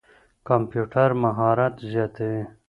کمپيوټر مهارت زياتوي.